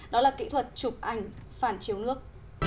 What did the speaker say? đó là kỹ thuật chụp ảnh phản chiếu nước